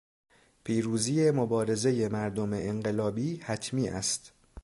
پیروزی مبارزهٔ مردم انقلابی حتمی است.